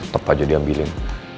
tetep aja diambilin